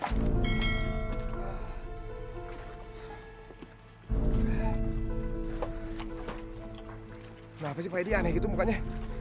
kenapa sih pak edi aneh gitu mukanya